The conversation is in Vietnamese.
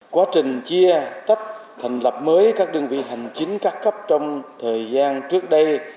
quá trình chia tách thành lập mới các đơn vị hành chính các cấp trong thời gian trước đây